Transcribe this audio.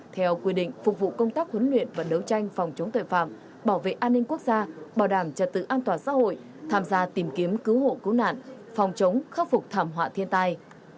theo quy định phục vụ công tác huấn luyện và đấu tranh phòng chống tội phạm bảo vệ an ninh quốc gia bảo đảm trật tự an toàn xã hội tham gia tìm kiếm cứu hộ cứu nạn phòng chống khắc phục thảm họa thiên tai